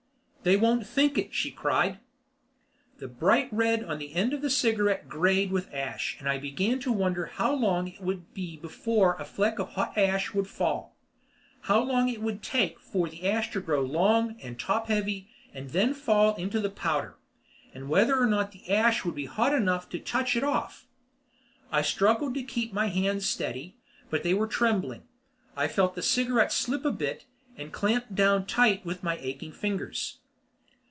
"They won't think it," she cried. The bright red on the end of the cigarette grayed with ash and I began to wonder how long it would be before a fleck of hot ash would fall. How long it would take for the ash to grow long and top heavy and then to fall into the powder. And whether or not the ash would be hot enough to touch it off. I struggled to keep my hands steady, but they were trembling. I felt the cigarette slip a bit and clamped down tight again with my aching fingers.